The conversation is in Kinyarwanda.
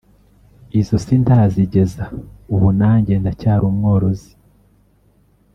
izo sindazigeza ubu nanjye ndacyari umworozi